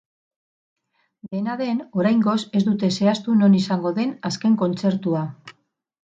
Dena den, oraingoz, ez dute zehaztu non izango den azken kontzertua.